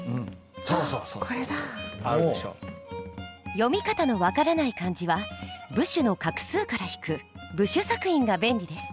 読み方の分からない漢字は部首の画数から引く部首索引が便利です。